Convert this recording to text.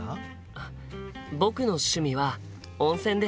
あっ僕の趣味は温泉です。